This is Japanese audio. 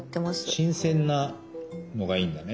新鮮なのがいいんだね。